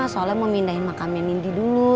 soalnya mau pindahin makamnya nindi dulu